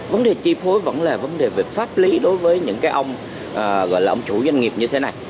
vấn đề chi phối vẫn là vấn đề về pháp lý đối với những cái ông gọi là ông chủ doanh nghiệp như thế này